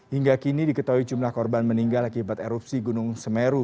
hingga kini diketahui jumlah korban meninggal akibat erupsi gunung semeru